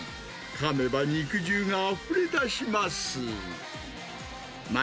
かめば肉汁があふれ出します。